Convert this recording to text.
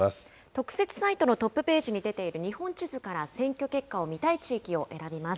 特設サイトのトップページに出ている日本地図から選挙結果を見たい地域を選びます。